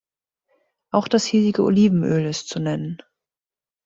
Auch das hiesige Olivenöl ist zu nennen.